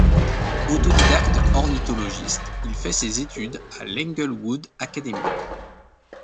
Autodidacte ornithologiste, il fait ses études à l’Englewood Academy.